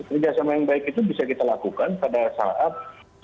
kerjasama yang baik itu bisa kita lakukan pada saat